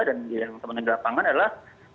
dan yang teman teman di lapangan adalah